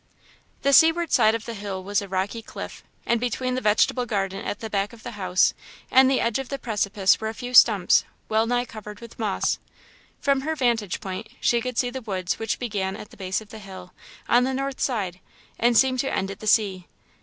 The seaward side of the hill was a rocky cliff, and between the vegetable garden at the back of the house and the edge of the precipice were a few stumps, well nigh covered with moss. From her vantage point, she could see the woods which began at the base of the hill, on the north side, and seemed to end at the sea.